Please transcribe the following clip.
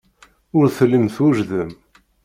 Ur tellim twejdem.